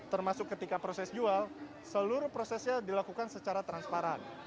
termasuk ketika proses jual seluruh prosesnya dilakukan secara transparan